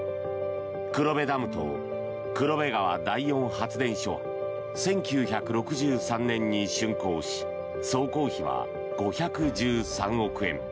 黒部ダムと黒部川第四発電所は１９６３年にしゅん工し総工費は５１３億円。